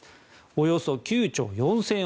およそ９兆４０００億円です。